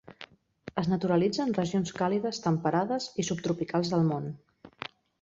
Es naturalitza en regions càlides temperades i subtropicals del món.